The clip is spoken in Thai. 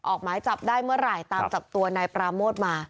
ออกหมายจับได้เมื่อไหร่ตามจับตัวนายปราโมทมา